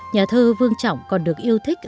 nhà thơ vương trọng còn được yêu thích